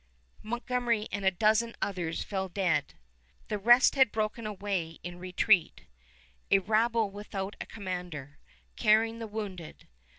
Montgomery and a dozen others fell dead. The rest had broken away in retreat, a rabble without a commander, carrying the wounded.